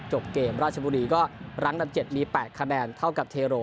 จบเกมราชบุรีก็รั้งดับ๗มี๘คะแนนเท่ากับเทโร